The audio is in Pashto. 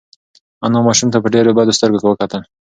انا ماشوم ته په ډېرو بدو سترګو وکتل.